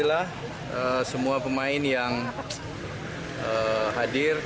ya alhamdulillah semua pemain yang hadir